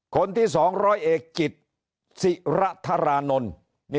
คนที่๒๐๐เอกจิตสิระธารานนท์